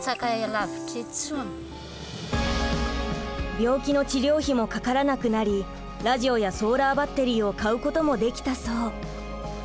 病気の治療費もかからなくなりラジオやソーラーバッテリーを買うこともできたそう。